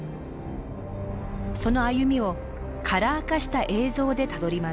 その歩みをカラー化した映像でたどります。